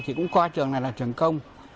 thì cũng qua trường này là trường công